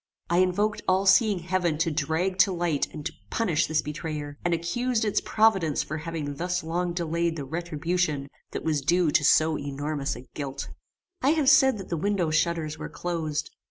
I invoked all seeing heaven to drag to light and to punish this betrayer, and accused its providence for having thus long delayed the retribution that was due to so enormous a guilt. I have said that the window shutters were closed.